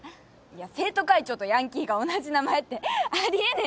いや生徒会長とヤンキーが同じ名前ってあり得ねえっつうの。